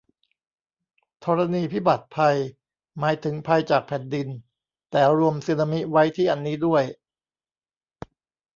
ธรณีพิบัติภัย หมายถึงภัยจากแผ่นดิน แต่รวมสึนามิไว้ที่อันนี้ด้วย